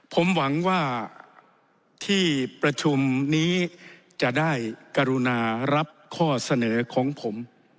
ผมหวังว่าที่ประชุมนี้จะได้กรุณารับข้อเสนอของผม